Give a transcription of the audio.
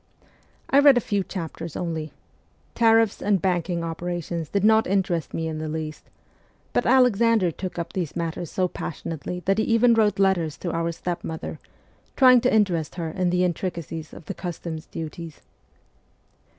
I read a few chapters only : tariffs and banking operations did not interest me in the least ; but Alexander took up these matters so passionately that he even wrote letters to our stepmother, trying to interest her in the intricacies of the customs duties.